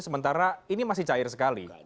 sementara ini masih cair sekali